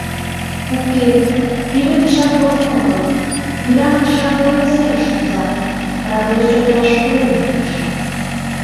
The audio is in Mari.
Уке, пире тышак возын огыл, вӱран кыша корем серыш кӱза, радер чодыраш пурен йомеш.